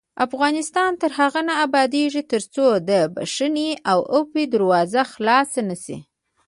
افغانستان تر هغو نه ابادیږي، ترڅو د بښنې او عفوې دروازه خلاصه نشي.